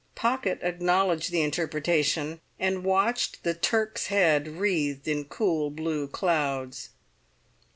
Pocket acknowledged the interpretation, and watched the Turk's head wreathed in cool blue clouds.